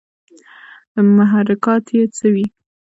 محرکات ئې څۀ وي